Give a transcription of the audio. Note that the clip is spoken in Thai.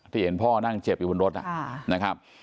เห็นพ่อนั่งเจ็บอยู่บนรถนะครับ